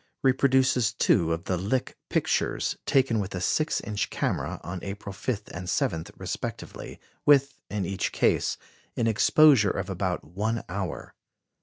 reproduces two of the Lick pictures, taken with a six inch camera, on April 5 and 7 respectively, with, in each case, an exposure of about one hour.